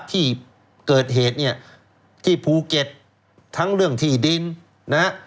ที่เกิดเหตุเนี่ยที่ภูเก็ตทั้งเรื่องที่ดินนะฮะ